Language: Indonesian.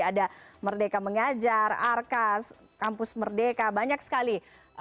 ada merdeka mengajar arka kampus merdeka banyak sekali